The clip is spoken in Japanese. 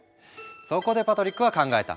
そこでパトリックは考えた。